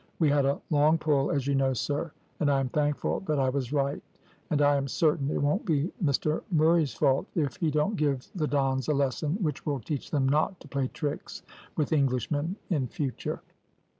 We had a long pull as you know, sir, and I am thankful that I was right; and I am certain it won't be Mr Murray's fault if he don't give the Dons a lesson which will teach them not to play tricks with Englishmen in future."